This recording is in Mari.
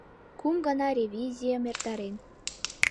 Кум гана ревизийым эртарен.